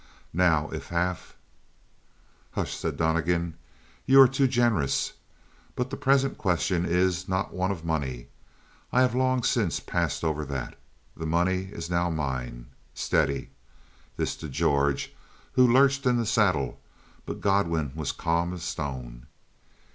Now, if half " "Hush," said Donnegan. "You are too generous. But the present question is not one of money. I have long since passed over that. The money is now mine. Steady!" This to George, who lurched in the saddle; but Godwin was calm as stone.